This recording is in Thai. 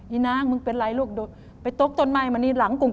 อีน้างลูกเป็นไรไปตกต้นไม้มาหลังกลง